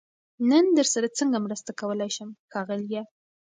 نن درسره سنګه مرسته کولای شم ښاغليه🤗